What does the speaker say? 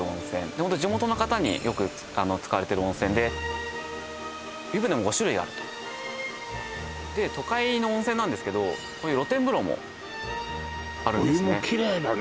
ホント地元の方によく使われてる温泉で湯船も５種類あると都会の温泉なんですけどこういう露天風呂もあるんですね